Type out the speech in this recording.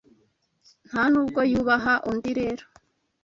Ntanubwo yubaha undi rero